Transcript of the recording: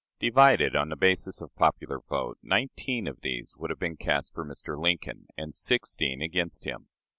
Divided on the basis of the popular vote, 19 of these would have been cast for Mr. Lincoln, and 16 against him.